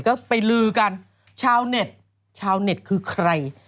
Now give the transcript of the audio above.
ก็ไปลือกันชาวเน็ตชาวเน็ตคือใคร